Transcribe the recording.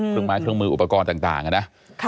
เครื่องไม้เครื่องมืออุปกรณ์ต่างนะ